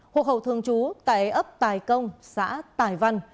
hồ hậu thương chú tại ấp tài công xã tài văn